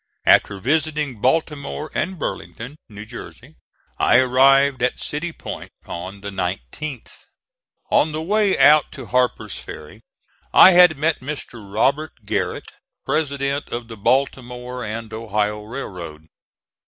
After visiting Baltimore and Burlington, New Jersey, I arrived at City Point on the 19th. On the way out to Harper's Ferry I had met Mr. Robert Garrett, President of the Baltimore and Ohio Railroad.